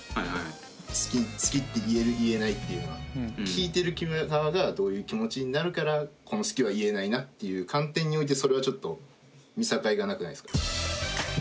聞いてる側がどういう気持ちになるからこの好きは言えないなっていう観点においてそれはちょっと見境がなくないですか。